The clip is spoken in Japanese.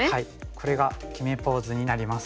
これが決めポーズになります。